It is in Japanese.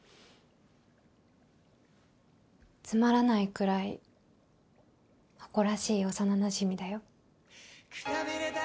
つまらないくらい誇らしい幼なじみだよ。